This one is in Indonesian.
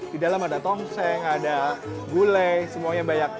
di dalam ada tongseng ada gulai semuanya banyak